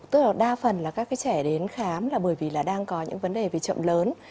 tức là đa phần là các cái trẻ đến khám là bởi vì là đang có những vấn đề về chậm lớn